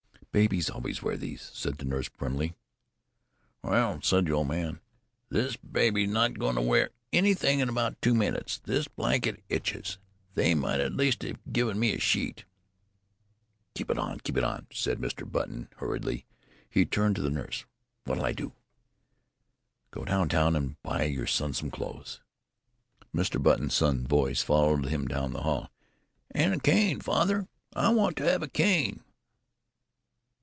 "Babies always wear those," said the nurse primly. "Well," said the old man, "this baby's not going to wear anything in about two minutes. This blanket itches. They might at least have given me a sheet." "Keep it on! Keep it on!" said Mr. Button hurriedly. He turned to the nurse. "What'll I do?" "Go down town and buy your son some clothes." Mr. Button's son's voice followed him down into the hall: "And a cane, father. I want to have a cane."